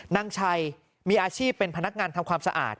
นางชัยมีอาชีพเป็นพนักงานทำความสะอาด